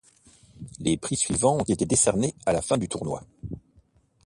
Les prix suivants ont été décernés à la fin du tournoi.